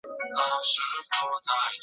太祖洪武九年改行省为承宣布政使司。